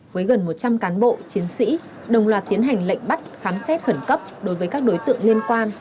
với gần một trăm linh cán bộ chiến sĩ đồng loạt tiến hành lệnh bắt khám xét khẩn cấp đối với các đối tượng liên quan